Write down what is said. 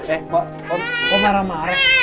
eh kok marah marah